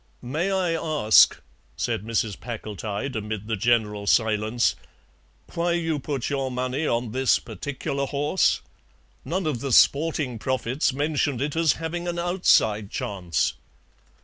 "May I ask," said Mrs. Packletide, amid the general silence, "why you put your money on this particular horse. None of the sporting prophets mentioned it as having an outside chance."